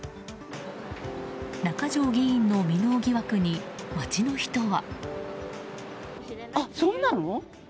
中条議員の未納疑惑に街の人は。